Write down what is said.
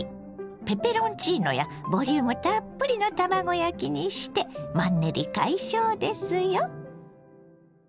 ペペロンチーノやボリュームたっぷりの卵焼きにしてマンネリ解消ですよ。